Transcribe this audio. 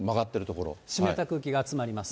湿った空気が集まります。